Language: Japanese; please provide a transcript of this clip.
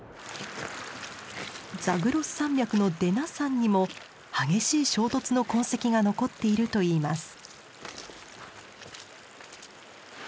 ザグロス山脈のデナ山にも激しい衝突の痕跡が残っているといいます。